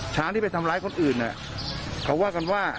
ช้างที่ไปทำร้ายคนอื่นเขาว่ากันว่า